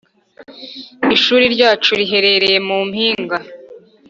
Ishuri ryacu riherereye mu mpinga